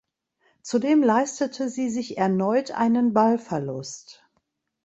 Zudem leistete sie sich erneut einen Ballverlust.